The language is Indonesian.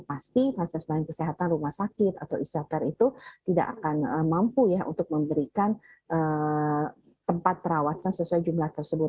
pasti fasilitas pelayanan kesehatan rumah sakit atau isoter itu tidak akan mampu ya untuk memberikan tempat perawatan sesuai jumlah tersebut